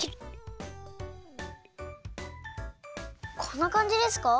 こんなかんじですか？